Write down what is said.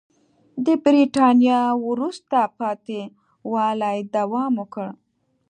د برېټانیا وروسته پاتې والي دوام وکړ.